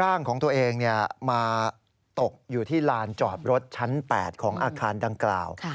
ร่างของตัวเองมาตกอยู่ที่ลานจอดรถชั้น๘ของอาคารดังกล่าว